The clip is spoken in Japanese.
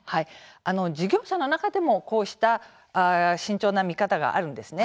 事業者の中でも、こうした慎重な見方があるんですね。